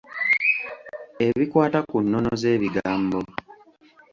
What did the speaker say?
Ebikwata ku nnono z'ebigambo.